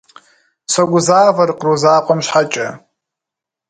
Согузавэр къру закъуэм щхьэкӏэ.